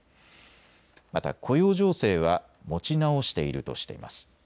また雇用情勢は持ち直しているとしています。